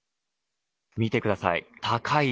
見てください。